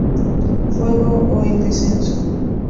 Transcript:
Fuego o El descenso.